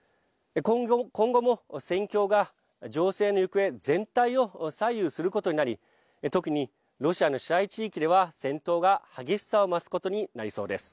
今後も戦況が情勢の行方全体を左右することになり特にロシアの支配地域では戦闘が激しさを増すことになりそうです。